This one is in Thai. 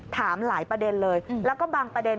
ถามหลายประเด็นเลยแล้วก็บางประเด็น